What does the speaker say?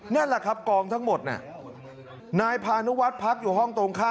นั่นแหละครับกองทั้งหมดน่ะนายพานุวัฒน์พักอยู่ห้องตรงข้าม